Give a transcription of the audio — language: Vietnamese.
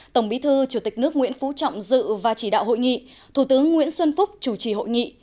tổng bí thư chủ tịch nước nguyễn phú trọng dự và chỉ đạo hội nghị thủ tướng nguyễn xuân phúc chủ trì hội nghị